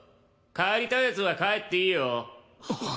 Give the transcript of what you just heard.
帰りたい奴は帰っていいよ。